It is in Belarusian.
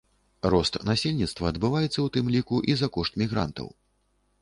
Рост насельніцтва адбываецца ў тым ліку і за кошт мігрантаў.